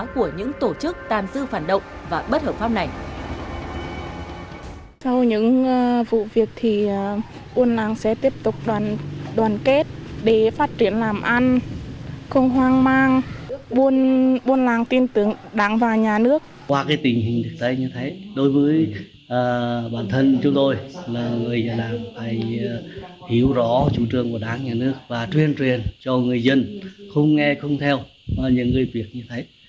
của những tổ chức tàn dư phản động và bất hợp pháp này